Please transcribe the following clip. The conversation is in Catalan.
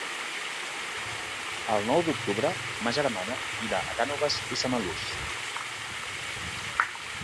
El nou d'octubre ma germana irà a Cànoves i Samalús.